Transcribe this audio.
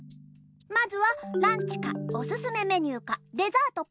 まずはランチかおすすめメニューかデザートか。